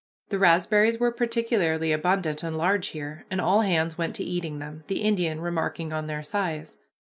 The raspberries were particularly abundant and large here, and all hands went to eating them, the Indian remarking on their size.